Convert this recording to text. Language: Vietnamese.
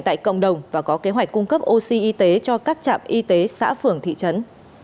tại cộng đồng và có kế hoạch cung cấp oxy y tế cho các trạm y tế xã phường thị trấn